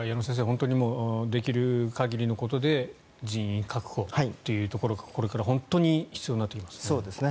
本当にできる限りのことで人員確保というところがこれから必要になってきますね。